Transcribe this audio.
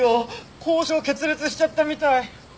交渉決裂しちゃったみたい！